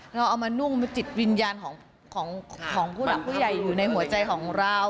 แล้วเอามานุ่งที่จิตวิญญาณของของคุณผู้ใหญ่อยู่ในหัวใจของเรา